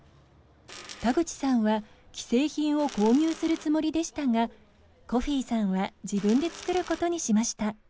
田口さんは既製品を購入するつもりでしたがコフィさんは自分で作ることにしました。